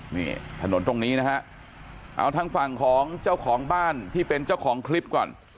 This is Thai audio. นี่ถนนตรงนี้นะฮะเอาทางฝั่งของเจ้าของบ้านที่เป็นเจ้าของคลิปก่อน